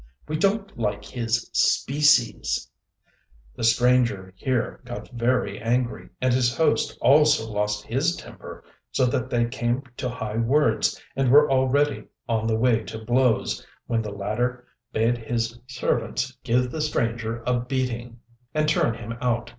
We don't like his species." The stranger here got very angry, and his host also lost his temper, so that they came to high words, and were already on the way to blows, when the latter bade his servants give the stranger a beating and turn him out.